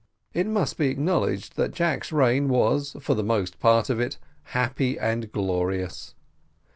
It must be acknowledged that Jack's reign was, for the most part of it, "happy and glorious."